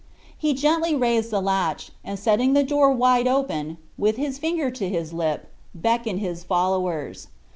He gently raised the latch, and setting the door wide open, with his finger on his lip, beckoned his followers.